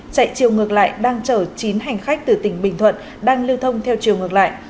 chạy chiều ngược lại đang chở chín hành khách từ tỉnh bình thuận đang lưu thông theo chiều ngược lại